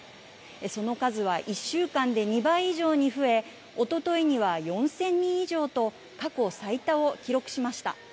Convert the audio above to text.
その数は１週間で２倍以上に増え、おとといには４０００人以上と、過去最多を記録しました。